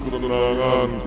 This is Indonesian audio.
kamu sudah mengganggu kenanganku